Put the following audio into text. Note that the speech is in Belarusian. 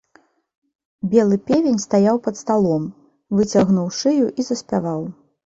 Белы певень стаяў пад сталом, выцягнуў шыю і заспяваў.